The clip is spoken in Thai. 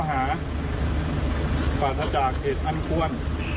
พ่อหาปราศจากเด็กอันควร